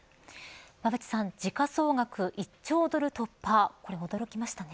馬渕さん、時価総額１兆ドル突破これ驚きましたね。